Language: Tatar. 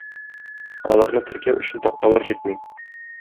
Аларны теркәү өчен такталар җитми.